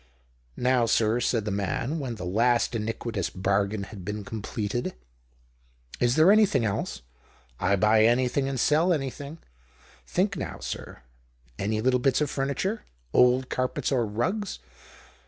"Now, sir," said the man, when the last iniquitous bargain had been completed, "is there nothing else ? I buy anything and THE OCTAVE OF CLAUDIUS. 87 sell anything. Think now, sir. Any little bits of furniture? Old carpets or rugs?